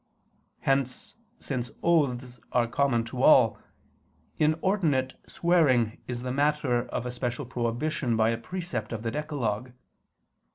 Hence, since oaths are common to all, inordinate swearing is the matter of a special prohibition by a precept of the decalogue.